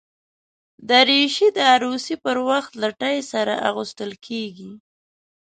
دریشي د عروسي پر وخت له ټای سره اغوستل کېږي.